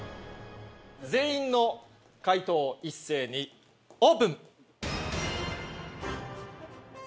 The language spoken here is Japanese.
全員の解答一斉にオープン！